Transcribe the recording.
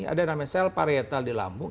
ada namanya sel parietal di lambung